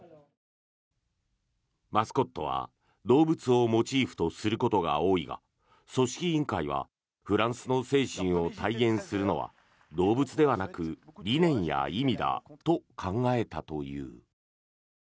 マスコットは動物をモチーフとすることが多いが組織委員会はフランスの精神を体現するのは動物ではなく理念や意味だと考えたという。